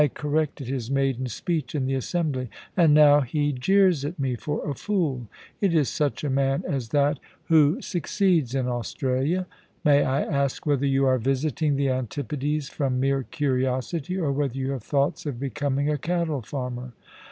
corrected his maiden speech in the Assembly, and now he jeers at me for a fool. It is such a man as that who sue THE PREMIERS STOREKEEPER. 19 ceeds in Australia. May I ask whether you are visiting the Antipodes from mere curiosity, or whether you have thoughts of becoming a cattle farmer